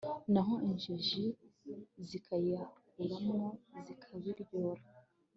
naho injiji zikiyahuramo, zikabiryora